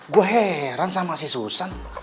gue heran sama si susan